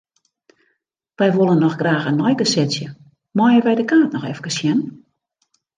Wy wolle noch graach in neigesetsje, meie wy de kaart noch efkes sjen?